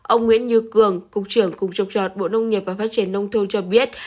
ông nguyễn như cường cục trưởng cục trồng trọt bộ nông nghiệp và phát triển nông thôn cho biết